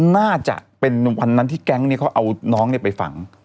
น่าจะเป็นนุ่มคนนั้นที่แก๊งนี้เขาเอาน้องไปฝัง